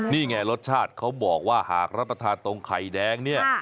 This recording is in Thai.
นี่ไงรสชาติเขาบอกว่าหากรับประทานตรงไข่แดงเนี่ย